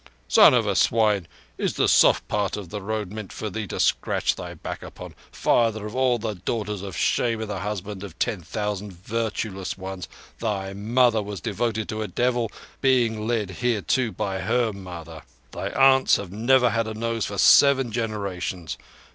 "Son of a swine, is the soft part of the road meant for thee to scratch thy back upon? Father of all the daughters of shame and husband of ten thousand virtueless ones, thy mother was devoted to a devil, being led thereto by her mother. Thy aunts have never had a nose for seven generations!